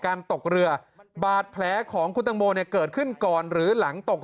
ตกเรือบาดแผลของคุณตังโมเนี่ยเกิดขึ้นก่อนหรือหลังตก